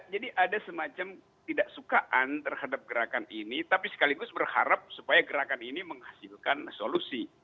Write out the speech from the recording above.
jadi ada semacam tidak suka terhadap gerakan ini tapi sekaligus berharap supaya gerakan ini menghasilkan solusi